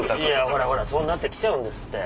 ほらほらそうなって来ちゃうんですって。